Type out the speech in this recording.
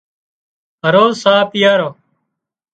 هروز ساهَه پيئارو